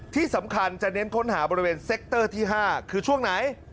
ที่สำคัญจะเน้นค้นหาบริเวณเซ็กเตอร์ที่๕คือช่วงไหน